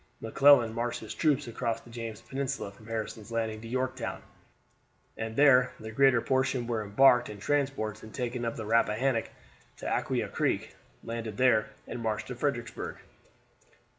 McClellan marched his troops across the James Peninsula from Harrison's Landing to Yorktown, and there the greater portion were embarked in transports and taken up the Rappahannock to Aquia Creek, landed there, and marched to Fredericksburg.